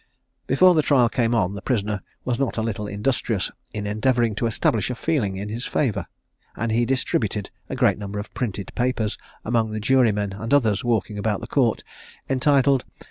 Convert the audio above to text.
Before the trial came on, the prisoner was not a little industrious in endeavouring to establish a feeling in his favour, and he distributed a great number of printed papers among the jurymen and others walking about the court, entitled.